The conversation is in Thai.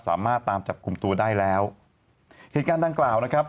สามารถตามจับกลุ่มตัวได้แล้วเหตุการณ์ดังกล่าวนะครับ